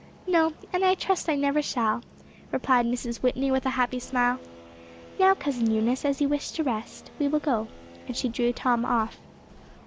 "No; and I trust I never shall," replied Mrs. Whitney with a happy smile. "Now, Cousin Eunice, as you wish to rest, we will go," and she drew Tom off.